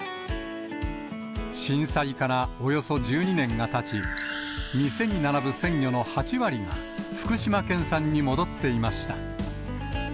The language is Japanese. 震災からおよそ１２年がたち、店に並ぶ鮮魚の８割が、福島県産に戻っていました。